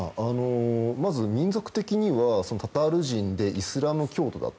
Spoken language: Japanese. まず民族的にはタタール人でイスラム教徒だと。